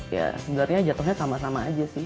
ya sebenarnya jatuhnya sama sama aja sih